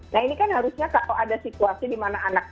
nah ini kan harusnya kalau ada situasi di mana anak